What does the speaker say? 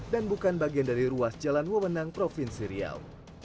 dan bukan bagian dari ruas jalan wewenang provinsi riau